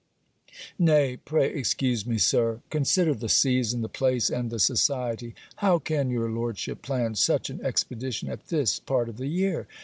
'Nay, pray excuse me, Sir. Consider the season, the place, and the society. How can your lordship plan such an expedition at this part of the year?